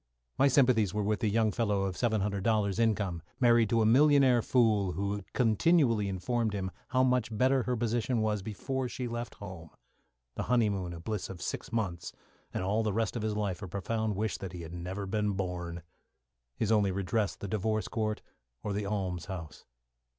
My sympathies were with the young fellow of seven hundred dollars income, married to a millionaire fool who continually informed him how much better her position was before she left home; the honeymoon a bliss of six months, and all the rest of his life a profound wish that he had never been born; his only redress the divorce court or the almshouse.